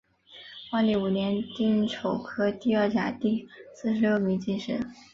万历五年丁丑科第二甲第四十六名进士。